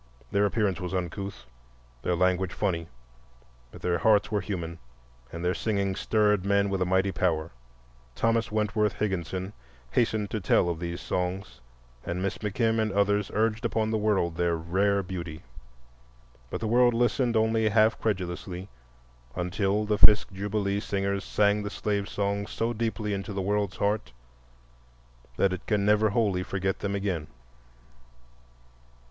Their appearance was uncouth, their language funny, but their hearts were human and their singing stirred men with a mighty power. Thomas Wentworth Higginson hastened to tell of these songs, and Miss McKim and others urged upon the world their rare beauty. But the world listened only half credulously until the Fisk Jubilee Singers sang the slave songs so deeply into the world's heart that it can never wholly forget them again.